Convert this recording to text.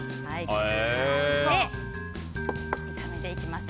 そして、炒めていきます。